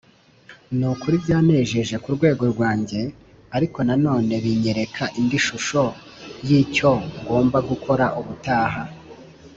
ni ukuri byanejeje ku rwego rwanjye ariko nanone binyereka indi shusho y’icyo ngomba gukora ubutaha